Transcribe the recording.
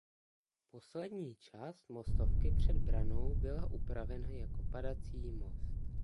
Poslední část mostovky před branou byla upravena jako padací most.